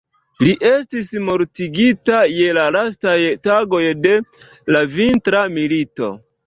Li estis mortigita je la lastaj tagoj de la Vintra milito.